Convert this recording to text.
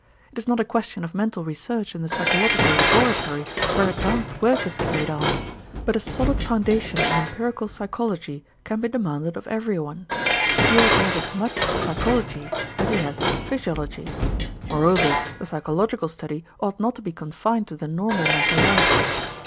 It is not a question of mental research in the psychological laboratory where advanced work is carried on, but a solid foundation in empirical psychology can be demanded of everyone. He ought to have as much psychology as he has physiology. Moreover the psychological study ought not to be confined to the normal mental life.